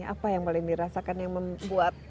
apa yang paling dirasakan yang membuat